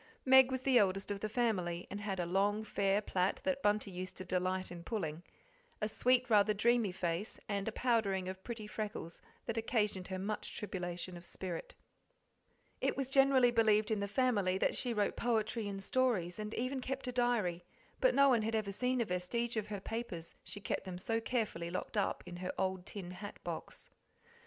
Meg was the eldest of the family, and had a long, fair plait that Bunty used to delight in pulling; a sweet, rather dreamy face, and a powdering of pretty freckles that occasioned her much tribulation of spirit. It was generally believed in the family that she wrote poetry and stories, and even kept a diary, but no one had ever seen a vestige of her papers, she kept them so carefully locked up in her old tin hat box.